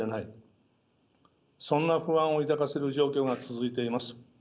そんな不安を抱かせる状況が続いています。